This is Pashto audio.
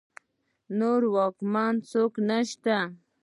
نور ځواکمن څوک نشته